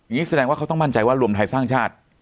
แสดงว่าเขาต้องมั่นใจว่ารวมไทยสร้างชาติ